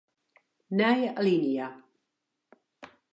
Nije alinea.